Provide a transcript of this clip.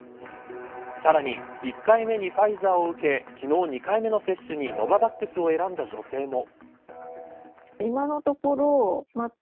さらに１回目にファイザーを受け昨日２回目の接種にノババックスを選んだ女性も。